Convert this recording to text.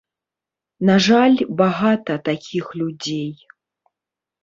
На жаль, багата такіх людзей.